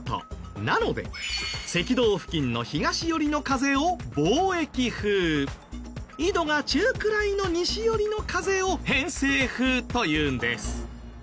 なので赤道付近の東寄りの風を貿易風緯度が中くらいの西寄りの風を偏西風というんです。